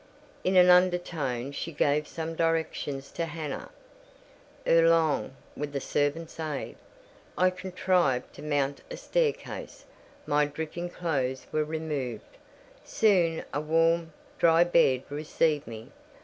In an undertone she gave some directions to Hannah. Ere long, with the servant's aid, I contrived to mount a staircase; my dripping clothes were removed; soon a warm, dry bed received me.